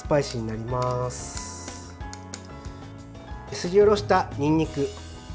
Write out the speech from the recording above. すりおろしたにんにく。